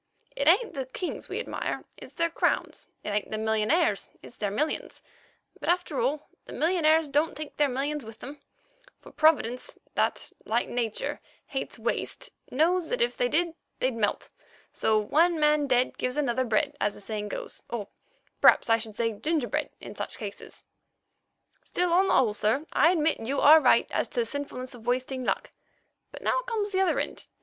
It ain't the kings we admire, it's their crowns; it ain't the millionaires, it's their millions; but, after all, the millionaires don't take their millions with them, for Providence, that, like Nature, hates waste, knows that if they did they'd melt, so one man dead gives another bread, as the saying goes, or p'raps I should say gingerbread in such cases. "Still, on the whole, sir, I admit you are right as to the sinfulness of wasting luck. But now comes the other end.